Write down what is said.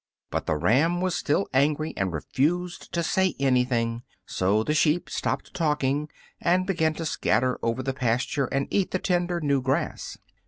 But the ram was still angry, and refused to say anything, so the sheep stopped talking and began to scatter over the pasture and eat the tender, new grass.